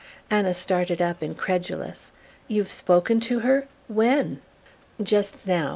Anna started up, incredulous. "You've spoken to her? When?" "Just now.